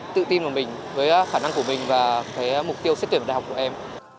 tự tin vào mình với khả năng của mình và cái mục tiêu xếp tuyển vào đại học của em